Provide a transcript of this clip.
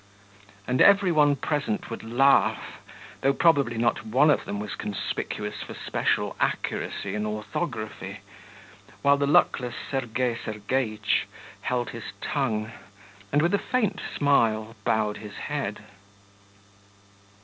And every one present would laugh, though probably not one of them was conspicuous for special accuracy in orthography, while the luckless Sergei Sergeitch held his tongue, and with a faint smile bowed his head.